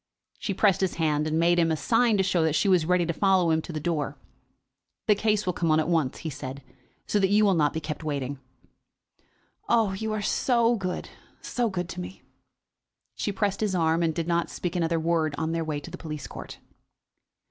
She pressed his hand, and made him a sign to show that she was ready to follow him to the door. "The case will come on at once," he said, "so that you will not be kept waiting." "Oh, you are so good; so good to me." She pressed his arm, and did not speak another word on their way to the police court.